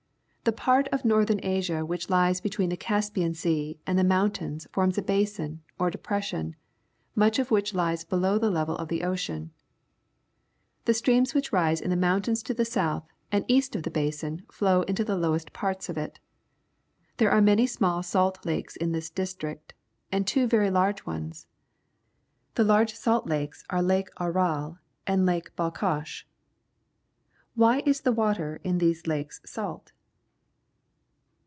The part of Northern Asia which lies be tween the Caspian Sea and the mountains forms a basin, or depression, much of which lies below the level of the ocean. The Rainfall Map of Asia streams which rise in the mountains to the south and east of the basin flow into the lowest parts of it. There are many small salt lakes in this district, and two very large ones. The large salt lakes are Lake Aral and Lake Balkash. Wliy is the water in these lakes salt?